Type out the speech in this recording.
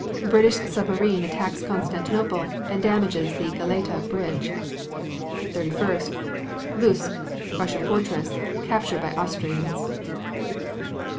British submarine attacks Constantinople and damages the Galata Bridge. 31. Lutsk, Russian fortress, captured by Austrians.